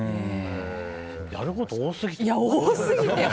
やること多すぎだよね。